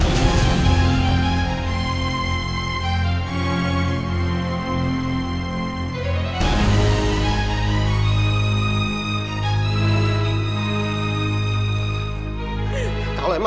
berampok itu berkuasa aku mas